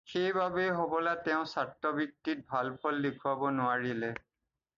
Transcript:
সেই বাবেই হবলা তেওঁ ছাত্ৰবৃত্তিত ভাল ফল দেখুৱাব নোৱাৰিলে।